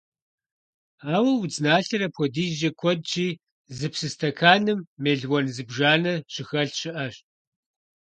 Ауэ удзналъэр апхуэдизкӀэ куэдщи, зы псы стэканым мелуан зыбжанэ щыхэлъ щыӀэщ.